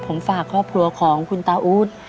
ผมฝากครอบครัวของคุณตาอู๊ด